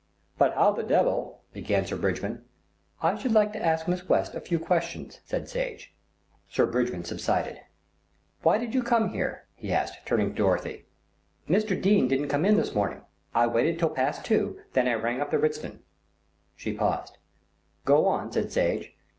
"But how the devil " began Sir Bridgman. "I should like to ask Miss West a few questions," said Sage. Sir Bridgman subsided. "Why did you come here?" he asked, turning to Dorothy. "Mr. Dene didn't come this morning. I waited until past two, then I rang up the Ritzton," she paused. "Go on," said Sage.